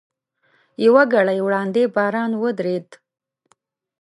یوه ګړۍ وړاندې باران ودرېد.